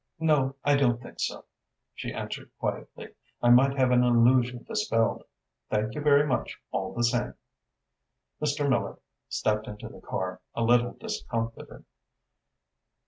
"No, I don't think so," she answered quietly. "I might have an illusion dispelled. Thank you very much, all the same." Mr. Miller stepped into the car, a little discomfited.